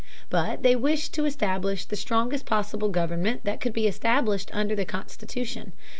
But they wished to establish the strongest possible government that could be established under the Constitution.